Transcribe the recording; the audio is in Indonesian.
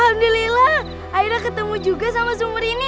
alhamdulillah akhirnya ketemu juga sama sumur ini